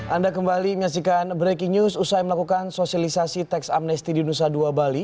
anda kembali menyaksikan breaking news usai melakukan sosialisasi teks amnesti di nusa dua bali